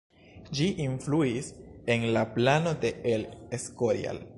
Ĝi influis en la plano de El Escorial.